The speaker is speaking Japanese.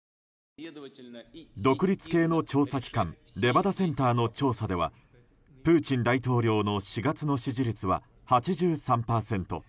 独立系の調査機関レバダセンターの調査ではプーチン大統領の４月の支持率は８３％。